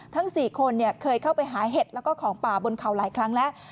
ทั้ง๔คนเคยเข้าไปหาเห็ดแล้วก็ของป่าบนเขาหลายครั้งแล้ว